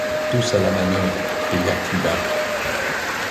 Tous à la manœuvre, cria Clubin.